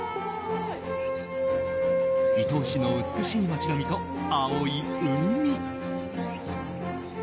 伊東市の美しい街並みと青い海。